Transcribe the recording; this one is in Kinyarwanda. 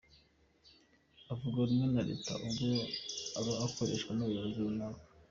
Uvuga rumwe na Leta ubwo aba akoreshwa n’umuyobozi runaka ?